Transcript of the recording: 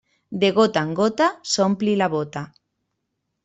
De gota en gota s'ompli la bóta.